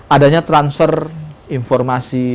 adanya transfer informasi